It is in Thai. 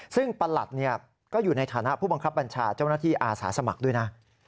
ซึ่งประหลัดก็อยู่ในฐานะผู้บังคับบัญชาเจ้าหน้าที่อาสาสมัครด้วยนะ